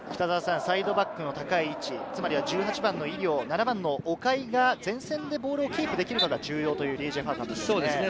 サイドバックの高い位置、つまりは１８番の井料、７番の岡井が前線でボールをキープできるかが重要という李済華監督ですね。